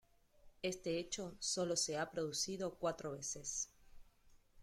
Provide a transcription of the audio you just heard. Este hecho solo se ha producido cuatros veces.